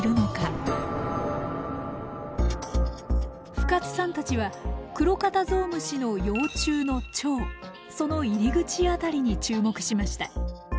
深津さんたちはクロカタゾウムシの幼虫の腸その入り口辺りに注目しました。